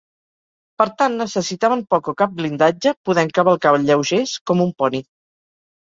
Per tant, necessitaven poc o cap blindatge, podent cavalcar lleugers com un poni.